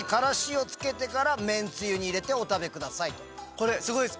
これすごいっす！